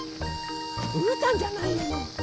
うーたんじゃないよね。